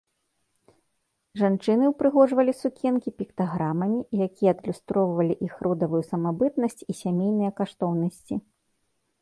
Жанчыны ўпрыгожвалі сукенкі піктаграмамі, якія адлюстроўвалі іх родавую самабытнасць і сямейныя каштоўнасці.